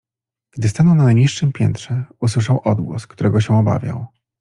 Gdy stanął na najniższym piętrze, usłyszał odgłos, którego się obawiał.